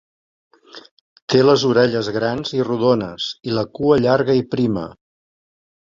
Té les orelles grans i rodones i la cua llarga i prima.